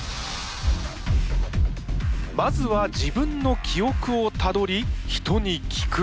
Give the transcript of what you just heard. まずは自分の記憶をたどり人に聞く。